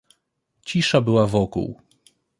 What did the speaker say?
Cisza była wokół.